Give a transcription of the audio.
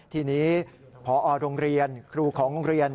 ทีนี้พอโรงเรียนครูของโรงเรียน